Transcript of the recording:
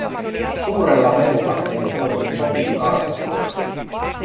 Suurella melulla hänet tuotiin Topin kartanolle.